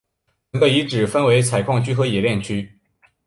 整个遗址分为采矿区和冶炼区。